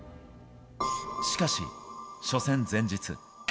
しかし、初戦前日。